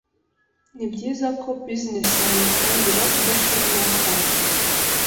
Ni byiza ko Business yawe uyitangira udashoye n’atanu